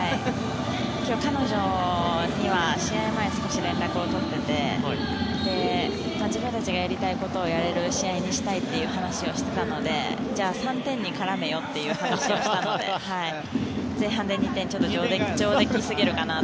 今日、彼女には試合前少し連絡を取っていて自分たちがやりたいことをやれる試合にしたいということを話していたのでじゃあ３点に絡めよという話をしたので前半で２点ちょっと上出来すぎるかなと。